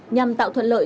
nhằm tạo thuận lợi